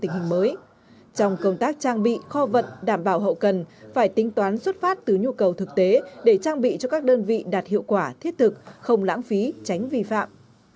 trong công tác trang bị kho vận đảm bảo hậu cần phải tính toán xuất phát từ nhu cầu thực tế để trang bị cho các đơn vị đạt hiệu quả thiết thực không lãng phí tránh vi phạm